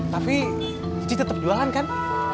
tapi dia tetap jualan kan